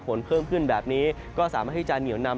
ฝนเพิ่มขึ้นแบบนี้ก็สามารถที่จะเหนียวนำ